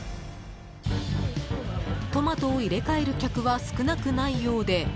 トマトを入れ替える客は少なくないようで。